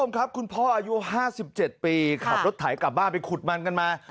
คุณพ่ออายุ๕๗ปีขับรถไถกลับบ้านไปขุดมันกันมา